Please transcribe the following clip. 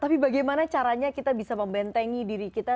tapi bagaimana caranya kita bisa membentengi diri kita